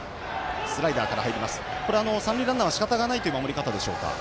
三塁ランナーはしかたがないという守りでしょうか。